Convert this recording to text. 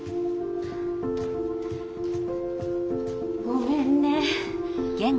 ごめんね。